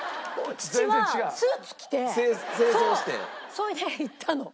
それで行ったの。